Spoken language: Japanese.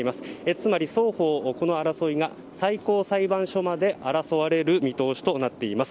つまり、双方この争いが最高裁判所まで争われる見通しとなっています。